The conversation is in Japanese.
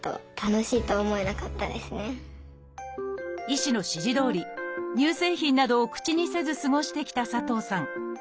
医師の指示どおり乳製品などを口にせず過ごしてきた佐藤さん。